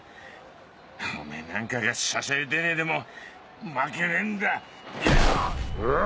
おめぇなんかがしゃしゃり出ねえでも負けねえんだよっ！